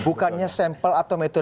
bukannya sampel atau metode